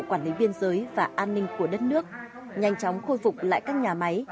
quản lý biên giới và an ninh của đất nước nhanh chóng khôi phục lại các nhà máy